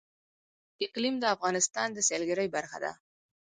اقلیم د افغانستان د سیلګرۍ برخه ده.